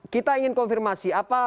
kita ingin konfirmasi apa